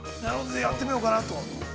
やってみようかなと。